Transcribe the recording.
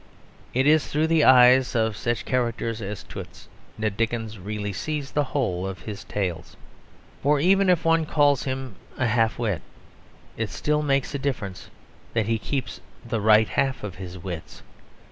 It is through the eyes of such characters as Toots that Dickens really sees the whole of his tales. For even if one calls him a half wit, it still makes a difference that he keeps the right half of his wits.